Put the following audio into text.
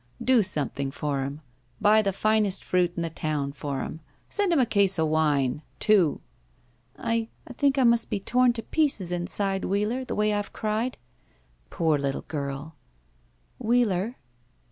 Do something for him. Buy the finest fruit in the town for him. Send a case of wine. Two," "I — ^I think I must be torn to pieces inside, Wheeler, the way I've cried." '•Poor Uttle gu ll" ''Wheeler?"